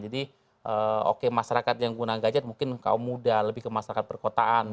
jadi oke masyarakat yang guna gadget mungkin kaum muda lebih ke masyarakat perkotaan